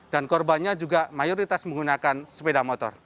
dan korbannya juga mayoritas menggunakan sepeda motor